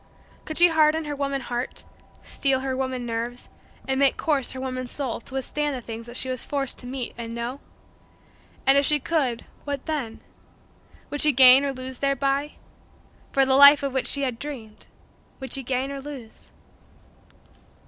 Could she harden her woman heart, steel her woman nerves, and make coarse her woman soul to withstand the things that she was forced to meet and know? And if she could what then would she gain or lose thereby? For the life of which she had dreamed, would she gain or lose?